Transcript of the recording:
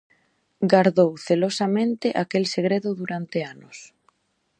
Gardou celosamente aquel segredo durante anos.